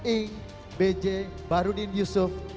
ing b j barudin yusuf